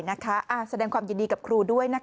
แบ่งความยินดีต่อให้ฝนครูด้วยนะคะ